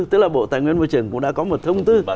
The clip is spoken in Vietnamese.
tức là bộ tài nguyên môi trường cũng đã có một thông tư